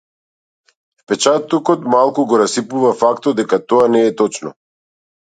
Впечатокот малку го расипува фактот дека тоа не е точно.